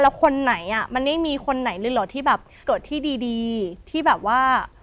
แล้วคนไหนอ่ะมันไม่มีคนไหนเลยเหรอที่แบบเกิดที่ดีที่แบบว่า